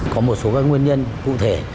có một số nguyên nhân cụ thể